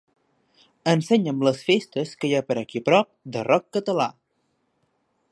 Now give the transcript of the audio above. Ensenya'm les festes hi ha per aquí a prop de rock català.